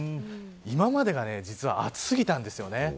今までが暑すぎたんですよね。